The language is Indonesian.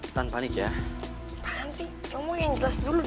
tanpa panik ya